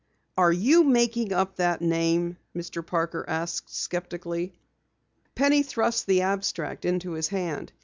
"Are you making up that name?" Mr. Parker asked skeptically. Penny thrust the abstract into his hand.